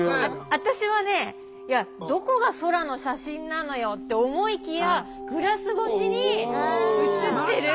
私はねいやどこが空の写真なのよって思いきやグラス越しに映ってる。